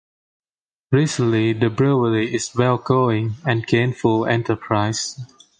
Recently, the brewery is well-going and gainful enterprise.